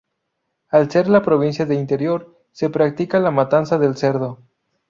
Al ser la provincia de interior, se practica la matanza del cerdo.